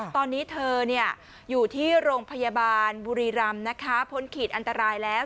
ตอนนี้เธออยู่ที่โรงพยาบาลบุรีรำนะคะพ้นขีดอันตรายแล้ว